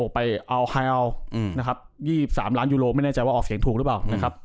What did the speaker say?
ไปเอาไฮอัล๒๓ล้านยูโรไม่แน่ใจว่าออกเสียงถูกหรือเปล่า